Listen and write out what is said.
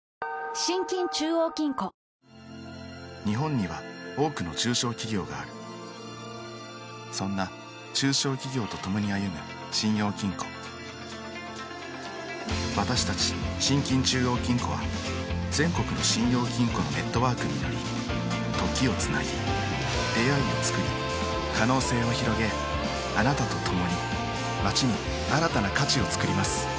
日本には多くの中小企業があるそんな中小企業とともに歩む信用金庫私たち信金中央金庫は全国の信用金庫のネットワークにより時をつなぎ出会いをつくり可能性をひろげあなたとともに街に新たな価値をつくります